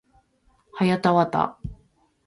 はやたわた